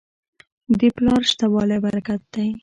د پلار شته والی برکت دی.